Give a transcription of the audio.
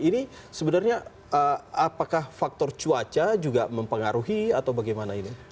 ini sebenarnya apakah faktor cuaca juga mempengaruhi atau bagaimana ini